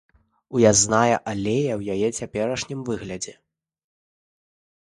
Уязная алея ў яе цяперашнім выглядзе.